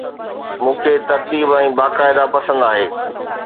مون کي ترتيب ۽ باقاعده پسند آهي